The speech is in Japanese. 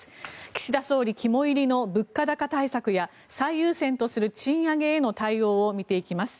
岸田総理肝煎りの物価高対策や最優先とする賃上げへの対応を見ていきます。